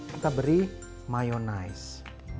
kita beri mayonnaise